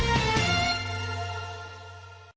สวัสดีครับ